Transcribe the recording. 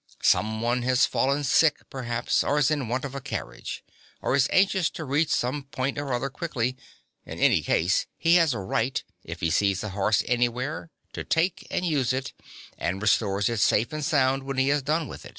Some one has fallen sick perhaps, or is in want of a carriage, (5) or is anxious to reach some point or other quickly in any case he has a right, if he sees a horse anywhere, to take and use it, and restores it safe and sound when he has done with it.